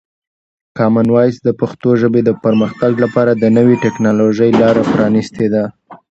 کامن وایس د پښتو ژبې د پرمختګ لپاره د نوي ټکنالوژۍ لاره پرانیستې ده.